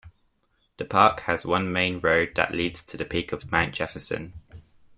The park has one main road that leads to the peak of Mount Jefferson.